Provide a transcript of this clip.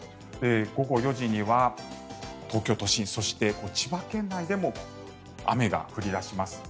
午後４時には東京都心そして、千葉県内でも雨が降り出します。